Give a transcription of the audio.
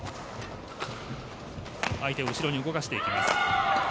相手を後ろに動かしていきます。